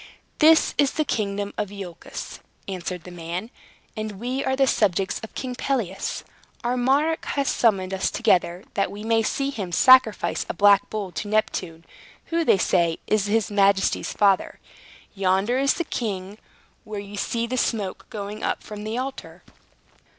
"This is the kingdom of Iolchos," answered the man, "and we are the subjects of King Pelias. Our monarch has summoned us together, that we may see him sacrifice a black bull to Neptune, who, they say, is his majesty's father. Yonder is the king, where you see the smoke going up from the altar."